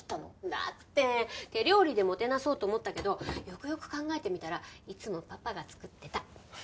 だって手料理でもてなそうと思ったけどよくよく考えてみたらいつもパパが作ってた。